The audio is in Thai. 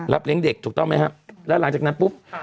เลี้ยงเด็กถูกต้องไหมครับแล้วหลังจากนั้นปุ๊บ